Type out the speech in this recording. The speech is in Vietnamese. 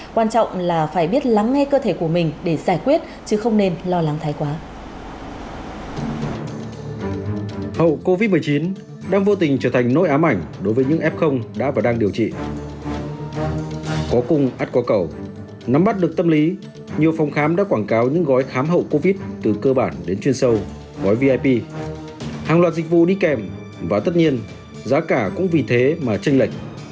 quan trọng là phải biết lắng nghe cơ thể của mình để giải quyết chứ không nên lo lắng thái quá